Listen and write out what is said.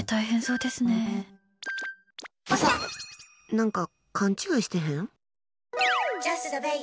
何か勘違いしてへん？